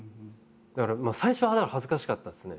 だから最初は恥ずかしかったですね。